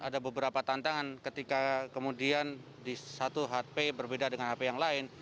ada beberapa tantangan ketika kemudian di satu hp berbeda dengan hp yang lain